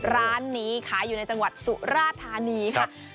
ร้านนี้ขายอยู่ในจังหวัดสุราธานีค่ะ